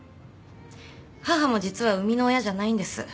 母も実は生みの親じゃないんです。